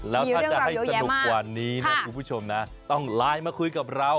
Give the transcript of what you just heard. แล้วถ้าจะให้สนุกกว่านี้นะคุณผู้ชมนะต้องไลน์มาคุยกับเรา